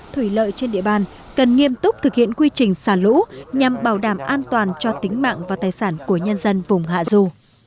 thủy lợi trên địa bàn cần nghiêm túc thực hiện quy trình xả lũ nhằm bảo đảm an toàn cho tính mạng và tài sản của nhân dân vùng hạ du